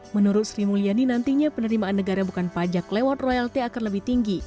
menurut sri mulyani nantinya penerimaan negara bukan pajak lewat royalti akan lebih tinggi